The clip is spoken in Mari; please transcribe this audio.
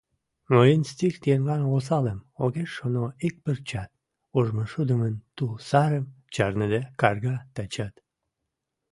Мыйын стих еҥлан осалым Огеш шоно ик пырчат. Ужмышудымын тул сарым Чарныде карга тачат.